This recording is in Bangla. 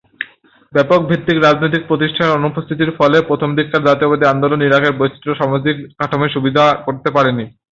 ব্যাপক ভিত্তিক রাজনৈতিক প্রতিষ্ঠানের অনুপস্থিতির ফলে প্রথমদিককার জাতীয়তাবাদি আন্দোলন ইরাকের বৈচিত্রময় সামাজিক কাঠামোয় সুবিধা করতে পারেনি।